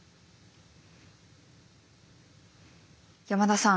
山田さん。